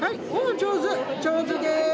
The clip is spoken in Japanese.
上手です。